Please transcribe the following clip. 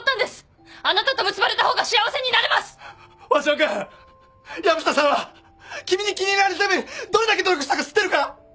鷲尾君藪下さんは君に気に入られるためにどれだけ努力したか知ってるか？